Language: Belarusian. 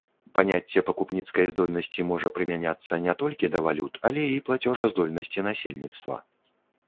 Паняцце пакупніцкай здольнасці можа прымяняцца не толькі да валют, але і плацежаздольнасці насельніцтва.